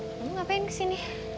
kamu ngapain kesini